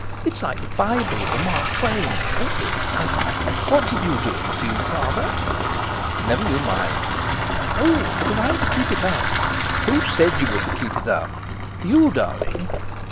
It's like the Bible, or Mark Twain—awfully exciting. What did you do in the feud, Father?" "Never you mind." "Oh! But if I'm to keep it up?" "Who said you were to keep it up?" "You, darling."